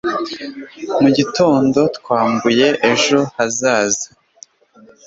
Mugitondo, twambuye ejo hazaza.